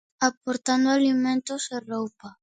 Aportando alimentos e roupa.